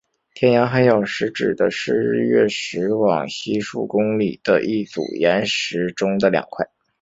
天涯海角石指的是日月石往西数公里的一组岩石中的两块。